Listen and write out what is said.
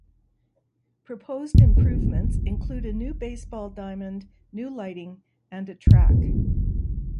Proposed improvements include a new baseball diamond, new lighting, and a track.